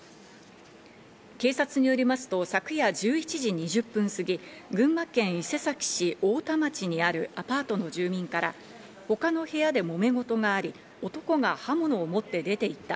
警察によりますと、昨夜１１時２０分すぎ、群馬県伊勢崎市太田町にあるアパートの住民から、他の部屋で揉め事があり、男が刃物を持って出て行った。